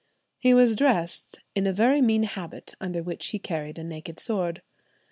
He was dressed "in a very mean habit, under which he carried a naked sword."